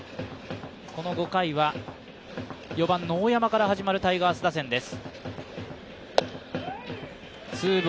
この５回は４番の大山から始まるタイガース打線です。